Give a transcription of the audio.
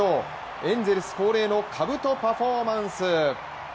エンゼルス恒例のかぶとパフォーマンス。